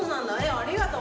ありがとう。